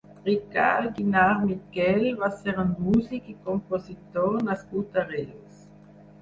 Ricard Guinart Miquel va ser un músic i compositor nascut a Reus.